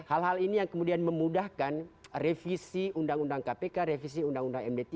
hal hal ini yang kemudian memudahkan revisi undang undang kpk revisi undang undang md tiga